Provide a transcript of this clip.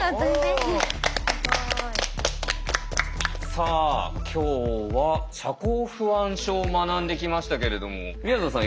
さあ今日は社交不安症を学んできましたけれどもみやぞんさん